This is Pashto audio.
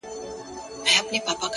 • مار يې ولیدی چي پروت وو بېگمانه,